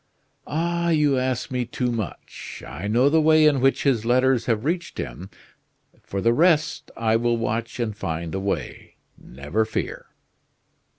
"Ah! you ask me too much. I know the way in which his letters have reached him. For the rest, I will watch and find a way never fear!"